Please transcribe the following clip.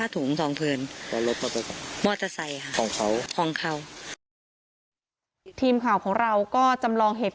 ทีมข่าวของเราก็จำลองเหตุ